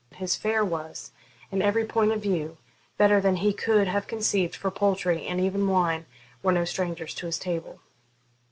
His fare was, in every point of view, better than he could have conceived, for poultry, and even wine, were no strangers to his table.